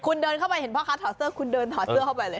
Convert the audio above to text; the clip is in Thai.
คุณเดินเข้าไปเห็นพ่อค้าถอดเสื้อคุณเดินถอดเสื้อเข้าไปเลย